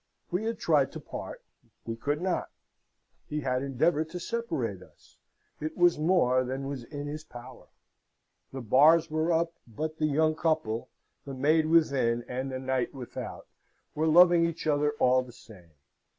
We had tried to part: we could not. He had endeavoured to separate us: it was more than was in his power. The bars were up, but the young couple the maid within and the knight without were loving each other all the same.